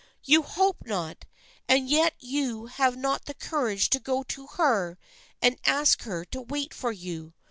You hope not, and yet you have not the courage to go to her and ask her to wait for you.